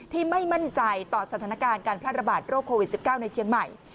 ไม่มั่นใจต่อสถานการณ์การแพร่ระบาดโรคโควิด๑๙ในเชียงใหม่